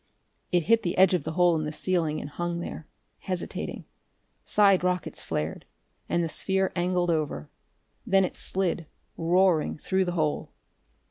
It hit the edge of the hole in the ceiling, and hung there, hesitating. Side rockets flared, and the sphere angled over. Then it slid, roaring, through the hole.